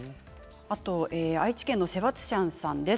愛知県の方です。